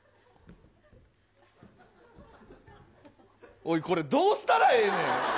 おい、これ、どうしたらええねん。